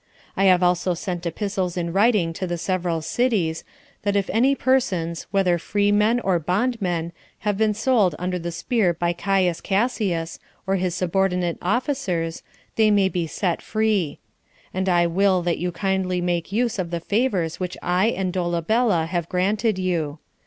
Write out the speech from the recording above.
I have also sent epistles in writing to the several cities, that if any persons, whether free men or bond men, have been sold under the spear by Caius Cassius, or his subordinate officers, they may be set free. And I will that you kindly make use of the favors which I and Dolabella have granted you.